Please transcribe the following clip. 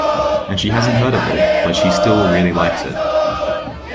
And she hasn't heard of it, but she still really likes it.